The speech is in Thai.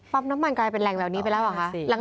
น้ำมันกลายเป็นแหล่งเหล่านี้ไปแล้วเหรอคะ